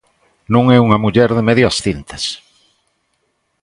Non é unha muller de medias tintas.